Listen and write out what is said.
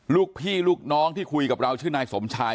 ลูกพี่ลูกน้องที่คุยกับเราชื่อนายสมชาย